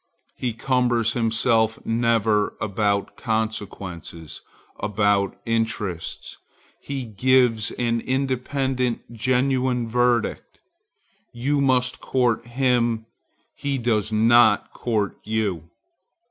He cumbers himself never about consequences, about interests; he gives an independent, genuine verdict. You must court him; he does not court you.